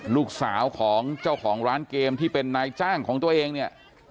ลูกสาวของเจ้าของร้านเกมที่เป็นนายจ้างของตัวเองเนี่ย